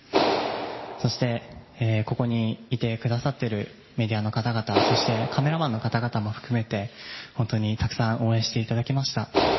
そしてここにいてくださっているメディアの方々、そしてカメラマンの方々も含めて本当にたくさん応援していただきました。